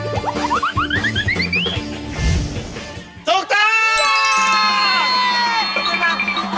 ว่าอะไรแกกลายลูกใหญ่มากเลย